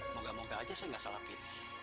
moga moga aja saya nggak salah pilih